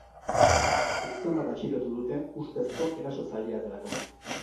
Gizon bat atxilotu dute, ustezko erasotzailea delakoan.